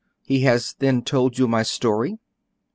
He has then told you my story?"